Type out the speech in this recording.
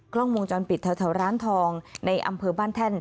กล้องวงจรปิดแถวร้านทองในอำเภอบ้านแท่น